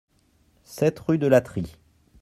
sept rue de L'Atrie